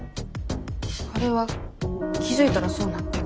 あれは気付いたらそうなってて。